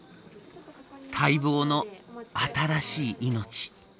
待望の新しい命。